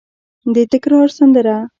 د تکرار سندره